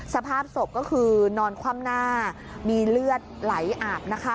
สภาพศพก็คือนอนคว่ำหน้ามีเลือดไหลอาบนะคะ